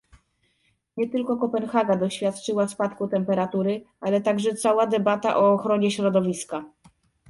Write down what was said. Nie tylko Kopenhaga doświadczyła spadku temperatury, ale także cała debata o ochronie środowiska